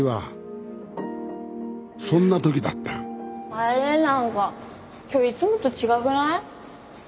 あれ何か今日いつもと違くない？